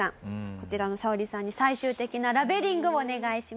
こちらのサオリさんに最終的なラベリングをお願いします。